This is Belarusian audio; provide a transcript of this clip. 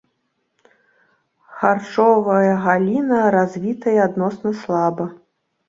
Харчовая галіна развітая адносна слаба.